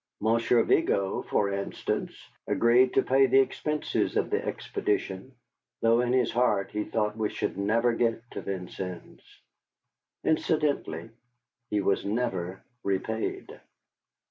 Monsieur Vigo, for instance, agreed to pay the expenses of the expedition, though in his heart he thought we should never get to Vincennes. Incidentally, he was never repaid.